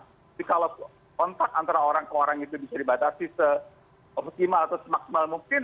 jadi kalau kontak antara orang ke orang itu bisa dibatasi se optimal atau semaksimal mungkin